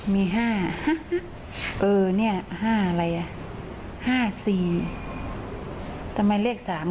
มี๕มี๔ว้าว